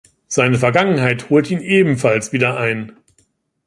Seine Vergangenheit holt ihn ebenfalls wieder ein.